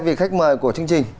vì khách mời của chương trình